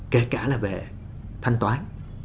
kể cả là về thanh toán